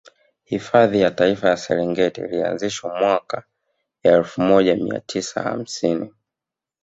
Hifadhi ya Taifa ya Serengeti ilianzishwa mwaka wa elfu moja mia tisa hamsini